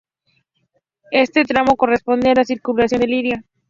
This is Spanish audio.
Este tramo corresponde a la circunvalación de Liria.